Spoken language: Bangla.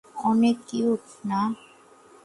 অনেক কিউট, না?